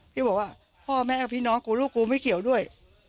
พี่บอกว่าพ่อแม่พี่น้องกูลูกกูไม่เกี่ยวด้วย